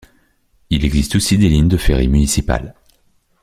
Il existe aussi des lignes de ferry municipal.